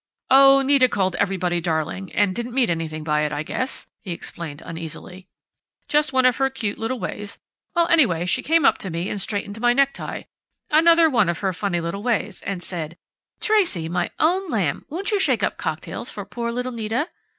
"Oh, Nita called everybody 'darling,' and didn't mean anything by it, I guess," he explained uneasily. "Just one of her cute little ways . Well, anyway, she came up to me and straightened my necktie another one of her funny little ways and said, 'Tracey, my own lamb, won't you shake up the cocktails for poor little Nita?...'